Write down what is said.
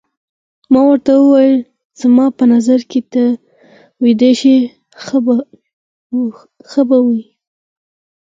ما ورته وویل: زما په نظر که ته ویده شې ښه به وي.